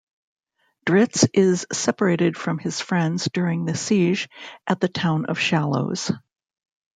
Drizzt is separated from his friends during the siege at the town of Shallows.